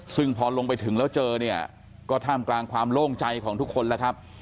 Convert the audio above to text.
ซึ่งพอลงไปถึงแล้วเจอเนี่ยก็ท่ามกลางความโล่งใจของทุกคนแล้วครับ